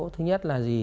thứ nhất là gì